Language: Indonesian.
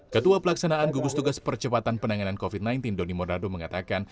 ketua pelaksanaan gugus tugas percepatan penanganan covid sembilan belas doni monardo mengatakan